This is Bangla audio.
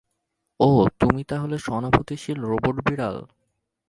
ওহ, তুমি তাহলে সহানুভূতিশীল রোবট বিড়াল।